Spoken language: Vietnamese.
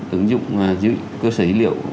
ứng dụng giữ cơ sở dữ liệu